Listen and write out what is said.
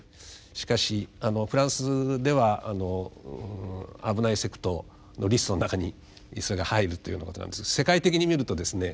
しかしフランスでは危ないセクトのリストの中にそれが入るというようなことなんですが世界的に見るとですね